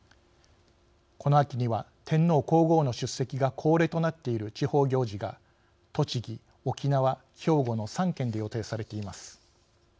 この秋には天皇皇后の出席が恒例となっている地方行事が栃木沖縄兵庫の３県で予定されています。